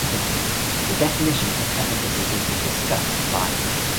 The definition of efficacy has been discussed by.